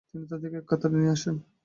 তিনি তাদেরকে এক কাতারে নিয়ে আসেন।